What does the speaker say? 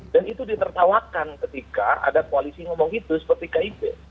dan itu ditertawakan ketika ada koalisi ngomong itu seperti kib